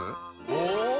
お！